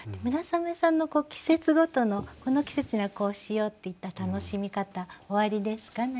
村雨さんの季節ごとの「この季節にはこうしよう」っていった楽しみ方おありですか？